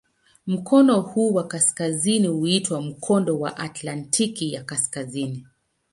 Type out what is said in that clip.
Mkono huu wa kaskazini huitwa "Mkondo wa Atlantiki ya Kaskazini".